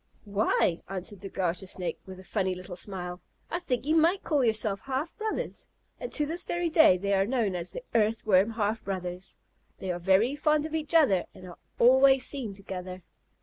"Why," answered the Garter Snake, with a funny little smile, "I think you might call yourselves half brothers." And to this day they are known as "the Earthworm half brothers." They are very fond of each other and are always seen together.